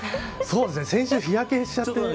先週、日焼けしちゃってね。